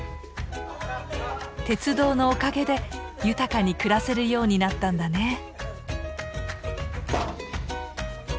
鉄道のおかげで豊かに暮らせるようになったんだね。